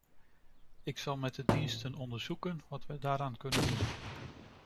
Ik zal met de diensten onderzoeken wat wij daaraan kunnen doen.